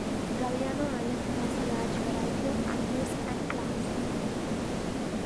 Galiano Island has a large variety of animals and plants.